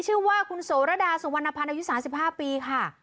ชื่อว่าคุณโสระดาสุวรรณภัณฑ์อายุ๓๕ปีค่ะ